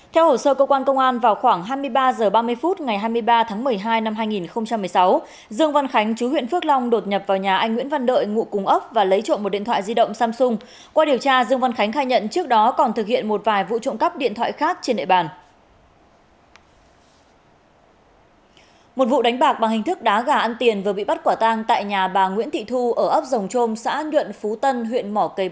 theo hồ sơ cơ quan công an vào khoảng hai mươi ba h ba mươi phút ngày hai mươi ba tháng một mươi hai năm hai nghìn một mươi sáu dương văn khánh chú huyện phước long đột nhập vào nhà anh nguyễn văn đợi ngụ cung ấp và lấy trộm một điện thoại di động samsung